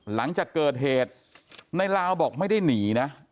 หลังจากเกิดเหตุในลาวบอกไม่ได้หนีนะ